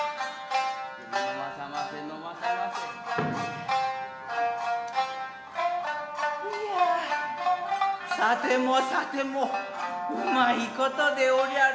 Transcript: イヤさてもさても旨いことでおりゃる。